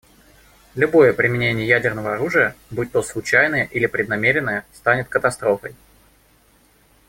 Любое применение ядерного оружия, будь-то случайное или преднамеренное, станет катастрофой.